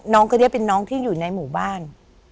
น้องคนนี้เป็นน้องที่อยู่ในหมู่บ้าน